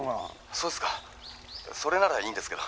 「そうですかそれならいいんですけど」